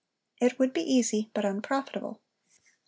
It would be easy but unprofitable.